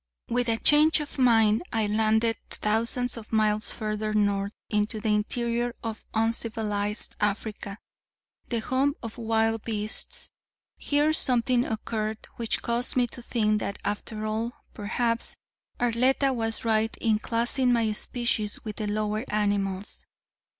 With a change of mind, I landed thousands of miles further north into the interior of uncivilized Africa, the home of wild beasts. Here something occurred which caused me to think that after all, perhaps Arletta was right in classing my species with the lower animals.